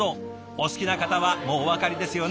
お好きな方はもうお分かりですよね。